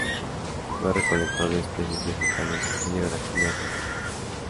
Fue recolector de especies vegetales de Chile, Brasil, y Argentina.